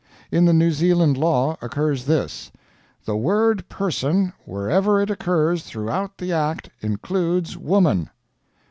In the New Zealand law occurs this: "The word person wherever it occurs throughout the Act includes woman."